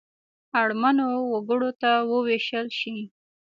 اړمنو وګړو ته ووېشل شي.